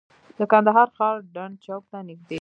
د کندهار ښار ډنډ چوک ته نږدې.